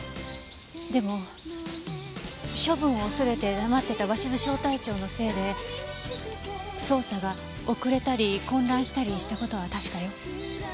でも処分を恐れて黙ってた鷲頭小隊長のせいで捜査が遅れたり混乱したりした事は確かよ。